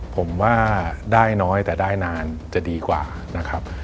ผมว่าได้น้อยแต่ได้นานจะดีกว่านะครับ